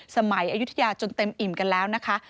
สมัยอโยธยาจนเต็มอิ่มกันแล้วนะคะ